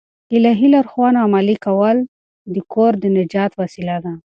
د الهي لارښوونو عملي کول د کور د نجات وسیله ده.